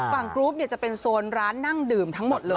กรุ๊ปจะเป็นโซนร้านนั่งดื่มทั้งหมดเลย